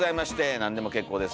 何でも結構です。